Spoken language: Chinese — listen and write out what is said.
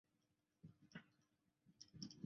搭挡是藤森慎吾。